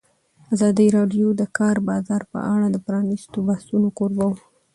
ازادي راډیو د د کار بازار په اړه د پرانیستو بحثونو کوربه وه.